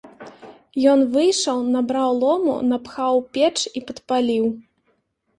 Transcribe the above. Ён выйшаў, набраў лому, напхаў у печ і падпаліў.